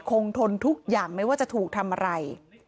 ทนทุกอย่างไม่ว่าจะถูกทำอะไร